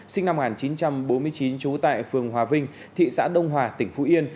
sinh năm một nghìn chín trăm bốn mươi chín trú tại phường hòa vinh thị xã đông hòa tỉnh phú yên